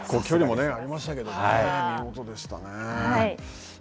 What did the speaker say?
結構距離もありましたけどね、見事でしたね。